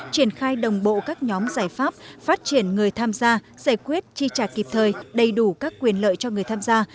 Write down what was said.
triển khai đồng bộ các nhóm giải pháp phát triển người tham gia giải quyết chi trả kịp thời đầy đủ các quyền lợi cho người tham gia